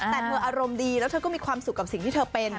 แต่เธออารมณ์ดีแล้วเธอก็มีความสุขกับสิ่งที่เธอเป็น